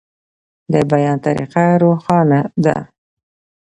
د بیان طریقه روښانه ده.